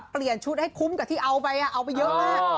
เปลี่ยนชุดให้คุ้มกับที่เอาไปเอาไปเยอะมาก